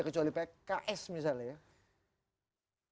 kecuali pks misalnya ya